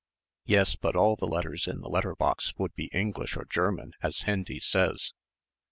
"Yes, but all the letters in the letter box would be English or German, as Hendy says."